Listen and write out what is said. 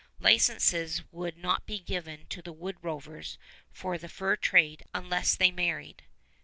Licenses would not be given to the wood rovers for the fur trade unless they married.